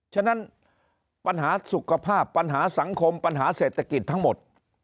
ฉะนั้นปัญหาสุขภาพปัญหาสังคมปัญหาเศรษฐกิจทั้งหมด